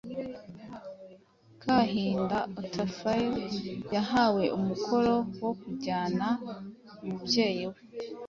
Kahinda Otafiire, yahawe umukoro wo kujyana umubyeyi we